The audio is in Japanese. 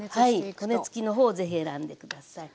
骨付きの方をぜひ選んで下さい。